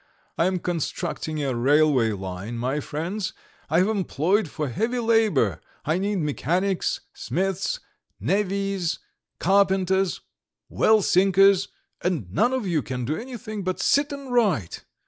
I am constructing a railway line, my friends; I have employment for heavy labour: I need mechanics, smiths, navvies, carpenters, well sinkers, and none of you can do anything but sit and write!